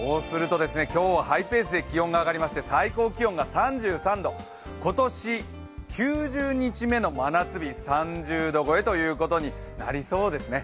今日はハイペースで気温が上がりまして最高気温が３３度、今年９０日目の真夏日、３０度超えとなりそうですね。